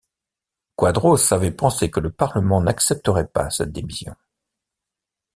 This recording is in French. Quadros avait pensé que le Parlement n'accepterait pas cette démission.